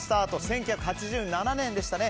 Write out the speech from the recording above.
１９８７年でしたね。